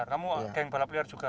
kamu geng balap liar juga